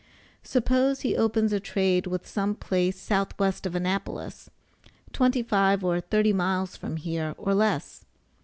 Suppose he opens a trade with some place south west of Annapolis, 25 or 30 miles from here, or less.